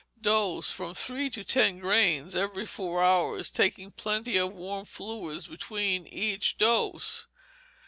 Dose, from three to ten grains every four hours, taking plenty of warm fluids between each dose.